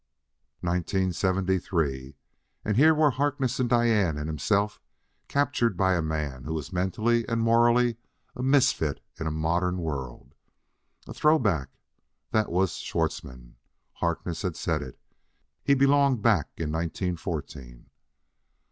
Nineteen seventy three! and here were Harkness and Diane and himself, captured by a man who was mentally and morally a misfit in a modern world. A throw back that was Schwartzmann: Harkness had said it. He belonged back in nineteen fourteen.